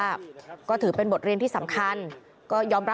พตรพูดถึงเรื่องนี้ยังไงลองฟังกันหน่อยค่ะ